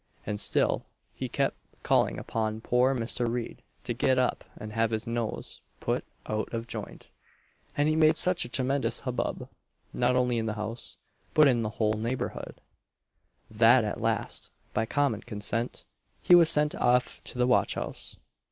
And still he kept calling upon poor Mr. Reid to get up and have his nose put out of joint; and he made such a tremendous hubbub, not only in the house, but in the whole neighbourhood, that at last, by common consent, he was sent off to the watch house.